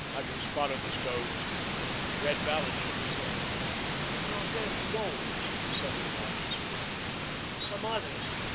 "Have you spotted the stones?" Red Vallon shook his head. "Not them stones," he said a little uneasily. "Some others.